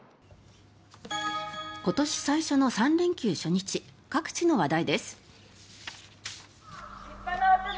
今年最初の３連休初日各地の話題です。